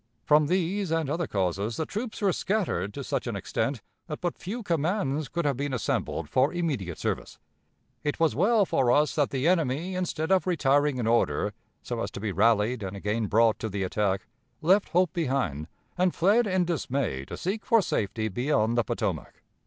From these and other causes, the troops were scattered to such an extent that but few commands could have been assembled for immediate service. It was well for us that the enemy, instead of retiring in order, so as to be rallied and again brought to the attack, left hope behind, and fled in dismay to seek for safety beyond the Potomac.